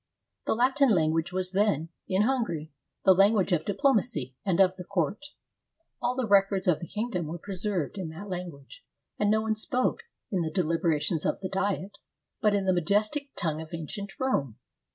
The Latin language was then, in Hungary, the lan guage of diplomacy and of the court. All the records of the kingdom were preserved in that language, and no one spoke, in the deliberations of the Diet, but in the majestic tongue of ancient Rome.